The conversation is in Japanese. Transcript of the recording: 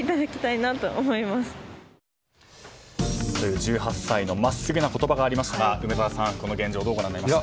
１８歳の真っすぐな言葉がありましたが梅沢さん、この現状をどうご覧になりましたか。